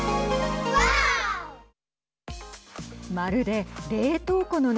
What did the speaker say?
まるで冷凍庫の中。